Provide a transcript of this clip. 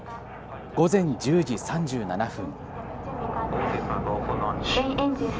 午前１０時３７分。